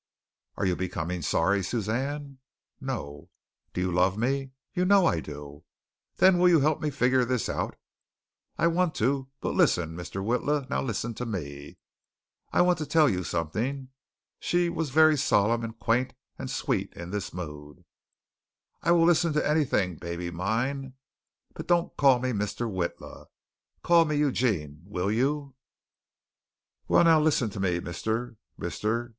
"Are you becoming sorry, Suzanne?" "No." "Do you love me?" "You know I do." "Then you will help me figure this out?" "I want to. But listen, Mr. Witla, now listen to me. I want to tell you something." She was very solemn and quaint and sweet in this mood. "I will listen to anything, baby mine, but don't call me Mr. Witla. Call me Eugene, will you?" "Well, now, listen to me, Mr. Mr.